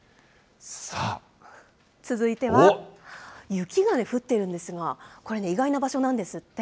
続いては、雪が降っているんですが、これね、意外な場所なんですって。